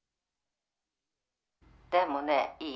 「でもねいい？